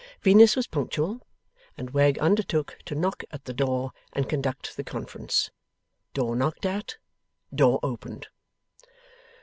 Venus was punctual, and Wegg undertook to knock at the door, and conduct the conference. Door knocked at. Door opened.